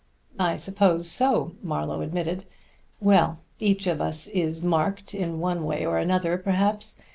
"I suppose so," Marlowe admitted. "Well, each of us is marked in one way or another, perhaps.